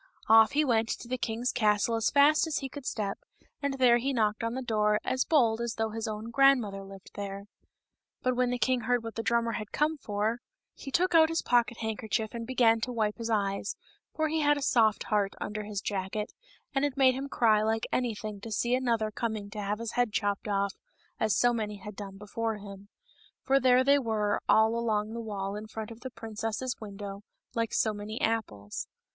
Off he went to the king's castle as fast as he could step, and there he knocked on the door, as bold as though his own grandmother lived there. But when the king heard what the drummer had come for, he took out ^e IBrummer carr te? t^ 010 296 KING STORK. his pocket handkerchief and began to wipe his eyes, for he had a soft heart under his jacket, and it made him cry like anything to see another coming to have his head chopped off, as so many had done before him. For there they were, all along the wall in front of the princess's window, like so many apples.